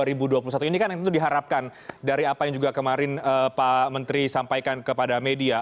ini kan yang tentu diharapkan dari apa yang juga kemarin pak menteri sampaikan kepada media